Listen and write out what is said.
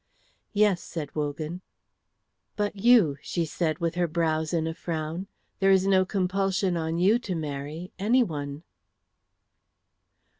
"Yes," said Wogan. "But you?" she said with her brows in a frown; "there is no compulsion on you to marry anyone."